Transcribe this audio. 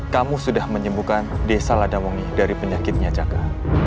kamu sudah menyembuhkan desa ladawungi dari penyakitnya jaka